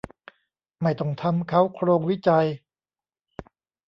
ไม่ต้องทำเค้าโครงวิจัย